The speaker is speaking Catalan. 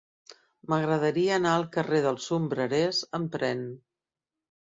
M'agradaria anar al carrer dels Sombrerers amb tren.